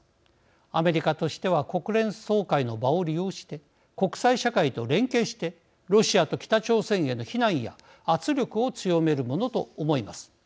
アメリカとしては国連総会の場を利用して国際社会と連携してロシアと北朝鮮への非難や圧力を強めるものと思います。